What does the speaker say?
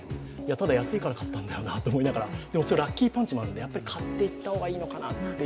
ただ安いから買ったんだよなと思いながらそういうラッキーパンチもあるから買っていった方がいいのかなと。